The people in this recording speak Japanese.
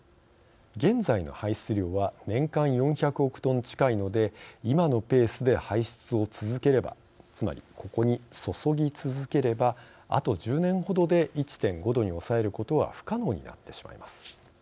現在の排出量は年間４００億トン近いので今のペースで排出を続ければつまり、ここに注ぎ続ければあと１０年程で１．５℃に抑えることは不可能になってしまいます。